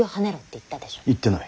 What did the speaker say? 言ってない。